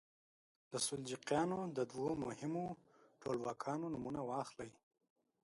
د سلجوقیانو د دوو مهمو ټولواکانو نومونه واخلئ.